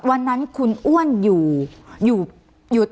วันนั้นคุณอ้วนอยู่อยู่